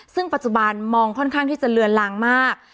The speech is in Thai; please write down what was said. ซึ่งปัจจุบันมองค่อนข้างที่จะเลือนลางมาก